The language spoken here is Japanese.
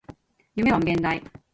夢は無限大